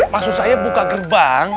maksud saya buka gerbang